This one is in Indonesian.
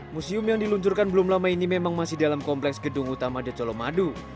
museum yang diluncurkan belum lama ini memang masih dalam kompleks gedung utama the colomadu